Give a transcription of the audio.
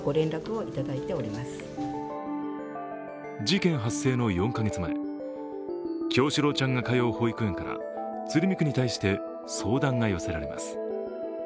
事件発生の４カ月前叶志郎ちゃんが通う保育園から鶴見区に対して相談が寄せられます。